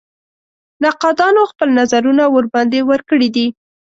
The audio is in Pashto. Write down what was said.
نقادانو خپل نظرونه ورباندې ورکړي دي.